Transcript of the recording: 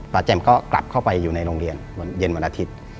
แจ่มก็กลับเข้าไปอยู่ในโรงเรียนเย็นวันอาทิตย์